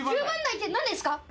１０番台って何ですか？